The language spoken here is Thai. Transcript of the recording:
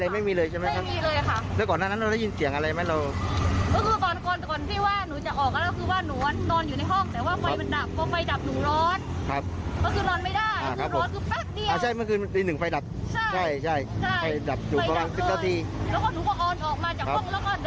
มันตูแล้วเข้าถันไปขวามือเขาเห็นแล้วว่าไฟขึ้นแล้ว